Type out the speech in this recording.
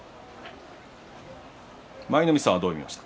舞の海さんはどう見ましたか？